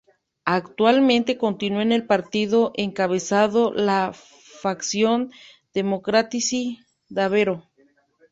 Actualmente, continúa en el partido encabezando la facción Democratici-Davvero.